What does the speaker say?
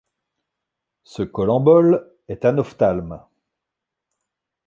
Ce collembole est anophthalme.